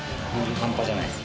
半端じゃないっす。